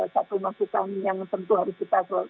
satu masukan yang tentu harus kita